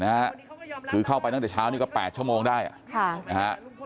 นะฮะคือเข้าไปตั้งแต่เช้านี้ก็๘ชั่วโมงได้อ่ะค่ะนะฮะ